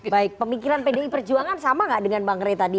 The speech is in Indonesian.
baik pemikiran pdi perjuangan sama nggak dengan bang ray tadi